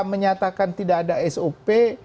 menyatakan tidak ada sop